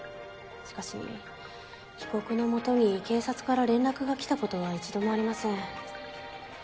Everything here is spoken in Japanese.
しかし被告の元に警察から連絡が来たことは一度もありません。